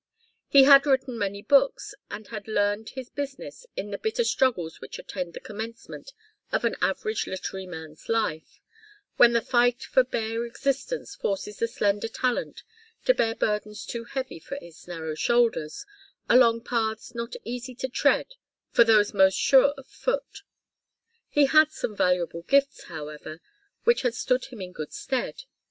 He had written many books, and had learned his business in the bitter struggles which attend the commencement of an average literary man's life, when the fight for bare existence forces the slender talent to bear burdens too heavy for its narrow shoulders, along paths not easy to tread for those most sure of foot. He had some valuable gifts, however, which had stood him in good stead.